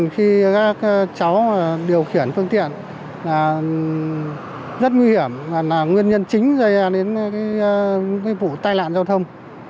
khi các cháu điều khiển phương tiện